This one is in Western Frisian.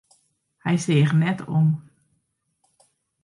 Hy seach net om.